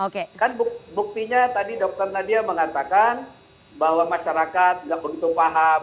kan buktinya tadi dokter nadia mengatakan bahwa masyarakat tidak begitu paham